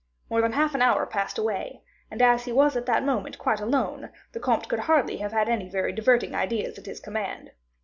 More than half an hour passed away; and as he was at that moment quite alone, the comte could hardly have had any very diverting ideas at his command.